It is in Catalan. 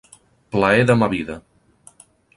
Plaer de ma vida: